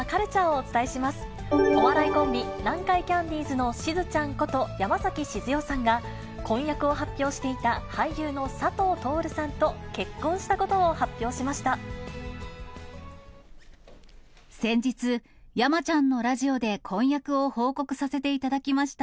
お笑いコンビ、南海キャンディーズのしずちゃんこと、山崎静代さんが、婚約を発表していた、俳優の佐藤達さんと結婚したことを発表しました。